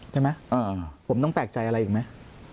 ใช่ไหมผมต้องแปลกใจอะไรอีกไหม